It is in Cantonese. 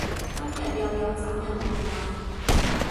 今日又有斬人案喇